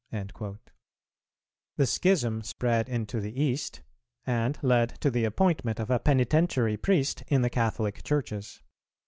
"[385:3] The schism spread into the East, and led to the appointment of a penitentiary priest in the Catholic Churches.